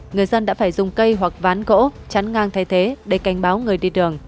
người dân đã phải dùng cây hoặc ván gỗ chắn ngang thay thế để cảnh báo người đi đường